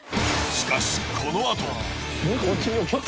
しかしこのあと。